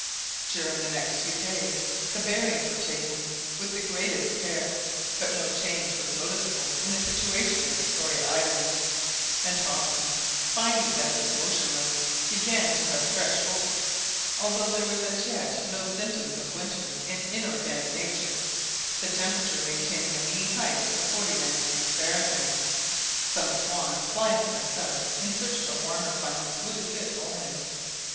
During the next few days the bearings were taken with the greatest care, but no change was noticeable in the situation of Victoria Island; and Hobson, finding that it was motionless, began to have fresh hope. Although there were as yet no symptoms of winter in inorganic nature, the temperature maintaining a mean height of 49° Fahrenheit, some swans flying to the south in search of a warmer climate was a good omen.